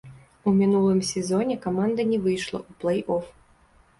У мінулым сезоне каманда не выйшла ў плэй-оф.